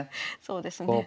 そうですね。